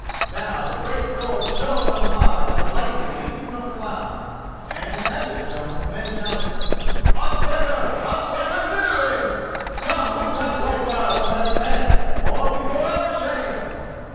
Now the great sword shone on high like lightning leaping from a cloud, and as it shone men shouted, "Ospakar! Ospakar Niddering! Come, win back Whitefire from Eric's hand, or be for ever shamed!"